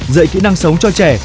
dạy kỹ năng sống cho trẻ